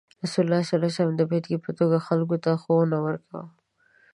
رسول الله صلى الله عليه وسلم د بیلګې په توګه خلکو ته ښوونه ورکوله.